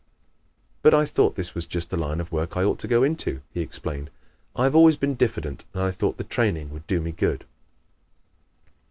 "But I thought this was just the line of work I ought to go into," he explained, "I have always been diffident and I thought the training would do me good."